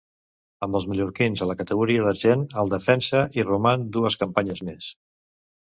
Amb els mallorquins a la categoria d'argent, el defensa hi roman dues campanyes més.